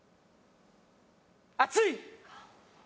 熱い。